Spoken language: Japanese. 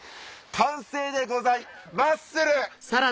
完成でございマッスル！